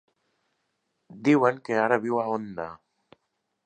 Diuen que ara viu a Onda.